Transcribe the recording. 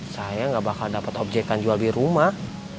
saya nggak bakal dapat objekan jual di rumah